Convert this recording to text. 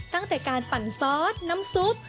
ตั้งแต่การปั่นซอสน้ำซุป